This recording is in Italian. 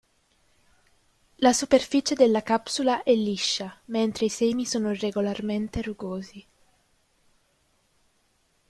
La superficie delle capsula è liscia, mentre i semi sono irregolarmente rugosi.